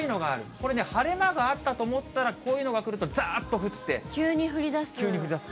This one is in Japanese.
これね、晴れ間があったと思ったら、こういうのが来ると、ざーっ急に降りだす。